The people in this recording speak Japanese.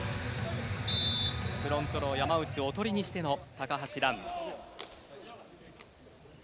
フロントロー山内をおとりにしての高橋藍。